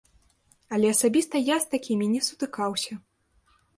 Але асабіста я з такімі не сутыкаўся.